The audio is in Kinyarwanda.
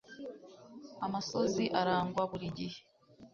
amosozi aragwa buri gihe